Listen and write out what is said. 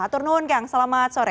atur nun kang selamat sore